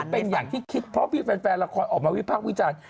เป็นอย่างที่คิดเพราะพี่แฟนละครออกมาวิพากษ์วิจารณ์